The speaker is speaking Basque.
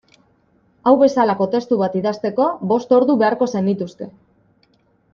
Hau bezalako testu bat idazteko bost ordu beharko zenituzke.